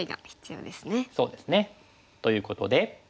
そうですね。ということで。